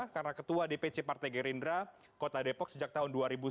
karena ketua dpc partai gerindra kota depok sejak tahun dua ribu sepuluh